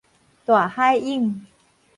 大海湧